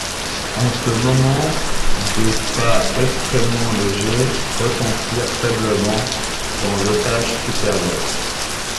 En ce moment des pas extrêmement légers retentirent faiblement dans l’étage supérieur.